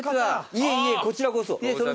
いえいえこちらこそ。